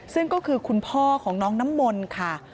ซึ่งก็คือคุณพ่อของน้องน้ำมนต์ค่ะ